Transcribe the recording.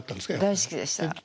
大好きでした。